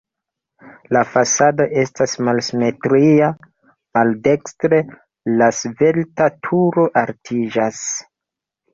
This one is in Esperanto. La fasado estas malsimetria, maldekstre la svelta turo altiĝas.